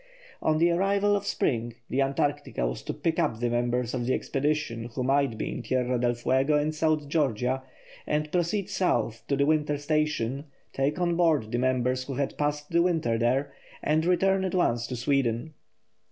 On the arrival of spring the Antarctica was to pick up the members of the expedition who might be in Tierra del Fuego and South Georgia and proceed south to the winter station, take on board the members who had passed the winter there, and return at once to Sweden.